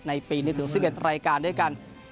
ในปีนี้ถึง๑๑รายการด้วยกัน